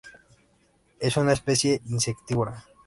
Es una especie insectívora.